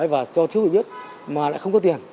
và cho thiếu hiểu biết mà lại không có tiền